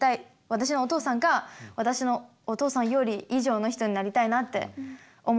私のお父さんか私のお父さんより以上の人になりたいなって思ってて。